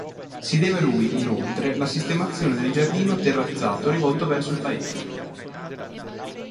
Si deve a lui, inoltre, la sistemazione del giardino terrazzato rivolto verso il paese.